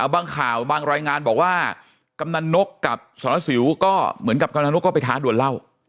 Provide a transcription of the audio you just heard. บางข่าวบางรายงานบอกว่ากำนันนกกับสรสิวก็เหมือนกับกำลังนกก็ไปท้าดวนเหล้า